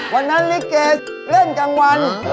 วันนั้นนิเกเล่นกลางวัน